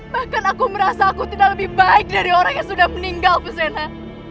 bahkan aku merasa aku tidak lebih baik dari orang yang sudah meninggal bu zena